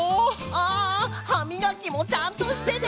あはみがきもちゃんとしてね。